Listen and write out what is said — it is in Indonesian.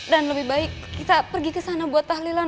dan lebih baik kita pergi kesana buat tahlilan